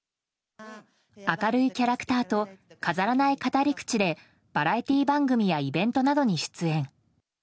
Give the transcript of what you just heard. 明るいキャラクターと飾らない語り口でバラエティー番組やイベントなどに出演。